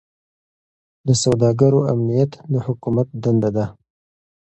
د سوداګرو امنیت د حکومت دنده ده.